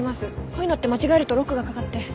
こういうのって間違えるとロックがかかって。